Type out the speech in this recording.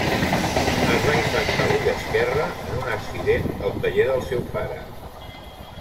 Es va infectar l'ull esquerre en un accident al taller del seu pare.